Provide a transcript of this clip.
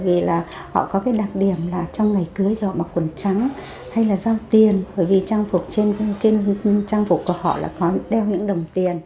vì là họ có cái đặc điểm là trong ngày cưới thì họ mặc quần trắng hay là giao tiền bởi vì trang phục trên trang phục của họ là có đeo những đồng tiền